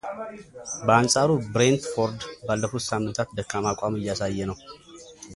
በአንጻሩ ብሬንት ፎርድ ባለፉት ሳምንታት ደካማ አቋም እያሳየ ነው።